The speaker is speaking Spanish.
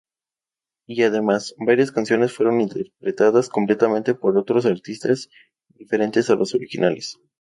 Y además, varias canciones fueron interpretadas completamente por otros artistas diferentes a los originales.